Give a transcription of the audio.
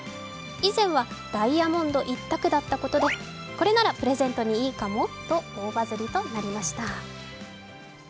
以前はダイヤモンド一択だったことでこれならプレゼントにいいかも？と大バズりとなりました。